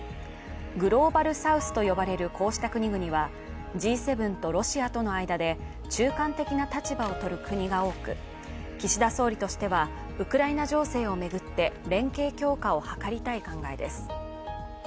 グローバルサウスと呼ばれるこうした国々はＧ７とロシアとの間で中間的な立場をとる国が多く岸田総理としては、ウクライナ情勢を巡って連携強化を図りたい考えです。